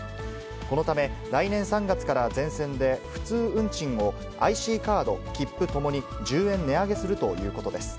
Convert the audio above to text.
このため来年３月から全線で、普通運賃を、ＩＣカード、切符ともに１０円値上げするということです。